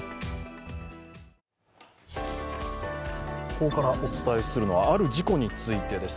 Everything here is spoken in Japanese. ここからお伝えするのはある事故についてです。